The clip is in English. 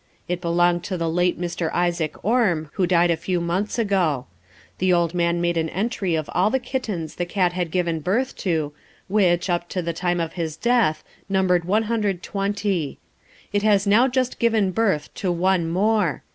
It belonged to the late Mr. Isaac Orme, who died a few months ago. The old man made an entry of all the kittens the cat had given birth to, which, up to the time of his death, numbered 120. It has now just given birth to one more.